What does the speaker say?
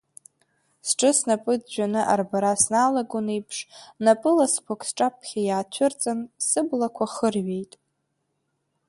Сҿы-снапы ӡәӡәаны арбара сналагон еиԥш, напы ласқәак сҿаԥхьа иаацәырҵын, сыблақәа хырҩеит.